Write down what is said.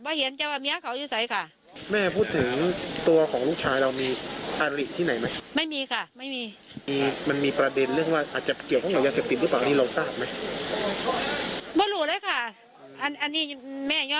แบบว่าเขากะยูฟุ่นแม่กะยูเพีย